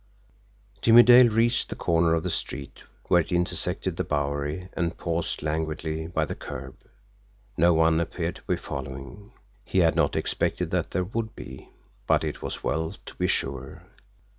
Jimmie Dale reached the corner of the street, where it intersected the Bowery, and paused languidly by the curb. No one appeared to be following. He had not expected that there would be but it was as well to be sure.